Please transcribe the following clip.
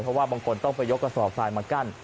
เพราะว่าบางคนต้องไปยกกระสอบทรายมากั้น